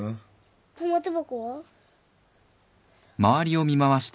玉手箱は？